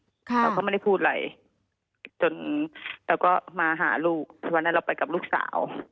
เราก็ไม่ได้พูดอะไรจนเราก็มาหาลูกวันนั้นเราไปกับลูกสาว